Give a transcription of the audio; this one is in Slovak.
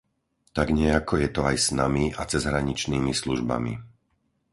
Tak nejako je to aj s nami a cezhraničnými službami.